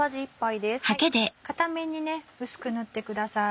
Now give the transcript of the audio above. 片面に薄く塗ってください。